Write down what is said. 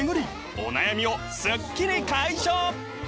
お悩みをスッキリ解消